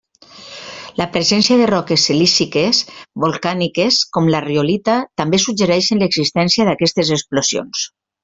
La presència de roques silíciques volcàniques com la riolita també suggereixen l'existència d'aquestes explosions.